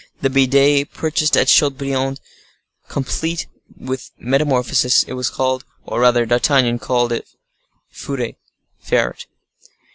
The bidet purchased at Chateaubriand completed the metamorphosis; it was called, or rather D'Artagnan called if, Furet (ferret).